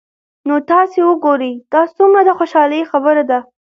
نو تاسي وګورئ دا څومره د خوشحالۍ خبره ده